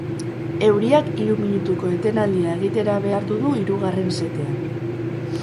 Euriak hiru minutuko etenaldia egitera behartu du hirugarren setean.